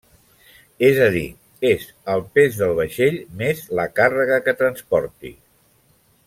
És a dir, és el pes del vaixell més la càrrega que transporti.